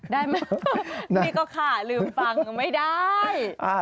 ได้ไหมนี่ก็ค่ะลืมฟังไม่ได้